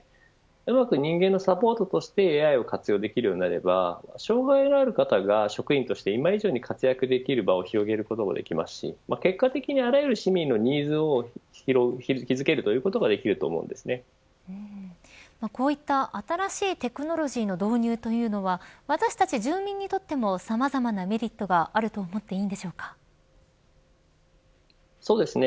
うまく人間のサポートとしてＡＩを活用できるようになれば障害のある方が職員として今以上に活躍できる場を広げることもできますし結果的にあらゆる市民のニーズを気付けるということがこういった新しいテクノロジーの導入というのは私たち住民にとってもさまざまなメリットがあるとそうですね。